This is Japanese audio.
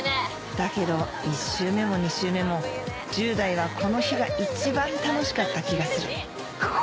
だけど１周目も２周目も１０代はこの日が一番楽しかった気がするコォ！